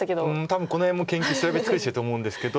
多分この辺も研究調べつくしてると思うんですけど。